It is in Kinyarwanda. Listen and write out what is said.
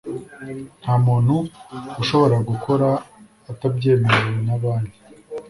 Nta muntu ushobora gukora atabyemerewe na Banki